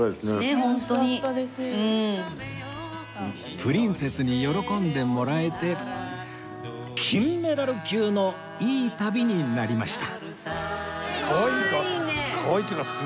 プリンセスに喜んでもらえて金メダル級のいい旅になりました